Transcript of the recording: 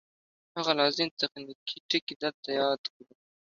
هغه لازم تخنیکي ټکي دلته یاد کړو